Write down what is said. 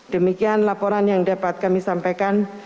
demikian laporan yang dapat kami sampaikan